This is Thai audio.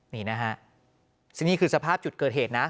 นี่นะฮะนี่คือสภาพจุดเกิดเหตุนะ